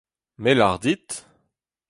Me ' lâr dit.